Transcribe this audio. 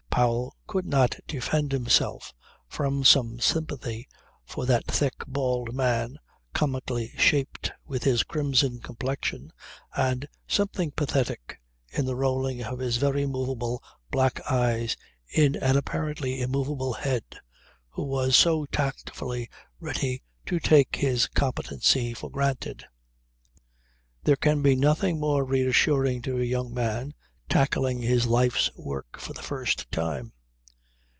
Powell could not defend himself from some sympathy for that thick, bald man, comically shaped, with his crimson complexion and something pathetic in the rolling of his very movable black eyes in an apparently immovable head, who was so tactfully ready to take his competency for granted. There can be nothing more reassuring to a young man tackling his life's work for the first time.